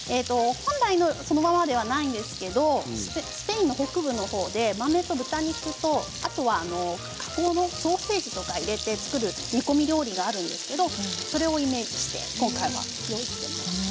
本来のそのままではないんですけれどスペインの北部のほうで豆と豚肉と加工のソーセージとかを入れて作る煮込み料理があるんですけどそれをイメージして今回は作ります。